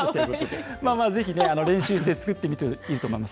ぜひ練習で作ってみるといいと思います。